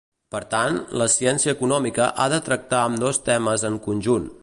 Per tant, la ciència econòmica ha de tractar ambdós temes en conjunt.